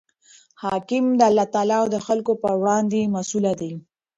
حاکم د الله تعالی او د خلکو پر وړاندي مسئوله دئ.